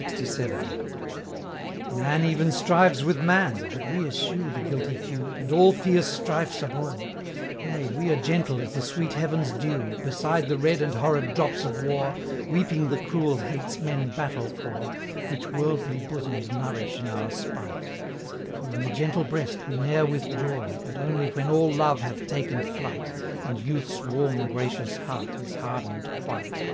LXVII. "Man even strives with Man, but we eschew The guilty feud, and all fierce strifes abhor; Nay, we are gentle as the sweet heaven's dew, Beside the red and horrid drops of war, Weeping the cruel hates men battle for, Which worldly bosoms nourish in our spite: For in the gentle breast we ne'er withdraw, But only when all love hath taken flight, And youth's warm gracious heart is hardened quite."